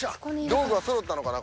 道具はそろったのかな